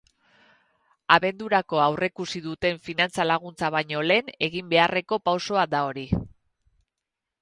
Abendurako aurreikusi duten finantza laguntza baino lehen egin beharreko pausoa da hori.